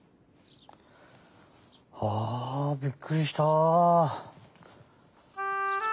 ああびっくりした！